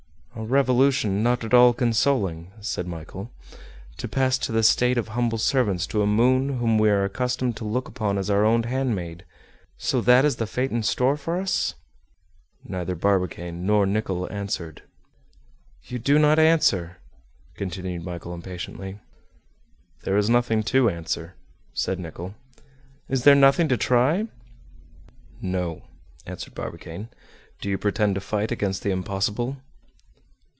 "A revolution not at all consoling," said Michel, "to pass to the state of humble servants to a moon whom we are accustomed to look upon as our own handmaid. So that is the fate in store for us?" Neither Barbicane nor Nicholl answered. "You do not answer," continued Michel impatiently. "There is nothing to answer," said Nicholl. "Is there nothing to try?" "No," answered Barbicane. "Do you pretend to fight against the impossible?"